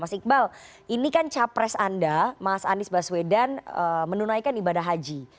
mas iqbal ini kan capres anda mas anies baswedan menunaikan ibadah haji